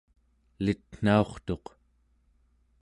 elitnaurtuq